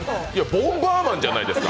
ボンバーマンじゃないですか。